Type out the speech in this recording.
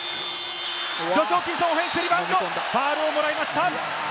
ジョシュ・ホーキンソン、オフェンスリバウンド、ファウルをもらいました！